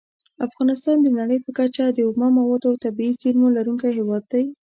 افغانستان د نړۍ په کچه د اومو موادو او طبیعي زېرمو لرونکی هیواد دی.